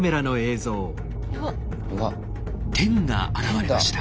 テンが現れました。